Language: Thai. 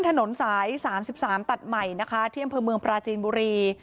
ถนนสาย๓๓ตัดใหม่นะคะที่อำเภอเมืองปราจีนบุรี